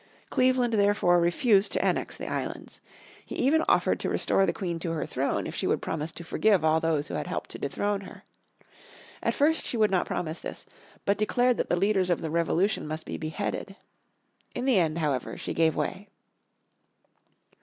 Cleveland therefore refused to annex the islands. He even offered to restore the Queen to her throne if she would promise to forgive all those who had helped to dethrone her. At first she would not promise this, but declared that the leaders of the revolution must be beheaded. In the end, however, she gave way.